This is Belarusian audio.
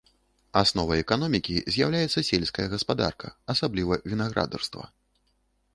Асновай эканомікі з'яўляецца сельская гаспадарка, асабліва вінаградарства.